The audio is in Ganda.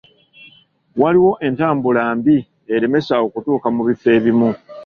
Waliwo entambula mbi eremesa okutuuka mu bifo ebimu.